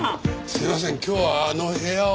すいません今日はあの部屋を。